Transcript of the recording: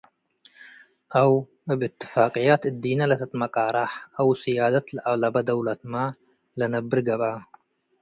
አው እብ እትፋቅያት እዲነ ለትትመቃረሕ አው ስያደት ለአለበ ደውለት መ ለነብር ገብአ